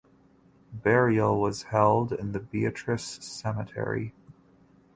Burial was held in the Beatrice cemetery.